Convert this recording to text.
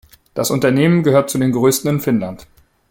Das Unternehmen gehört zu den größten in Finnland.